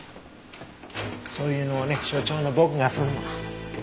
そういうのはね所長の僕がするの。